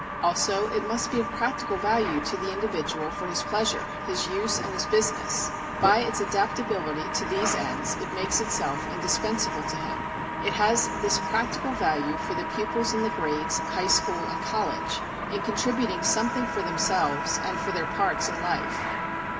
Also it must be of practical value to the individual for his pleasure, his use, and his business; by its adaptability to these ends it makes itself indispensable to him. It has this practical value for the pupils in the grades, high school, and college, in contributing something for themselves and for their parts in life.